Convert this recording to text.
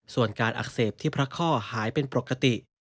ส่วนการอักเสบที่พระข้อหายเป็นปกติ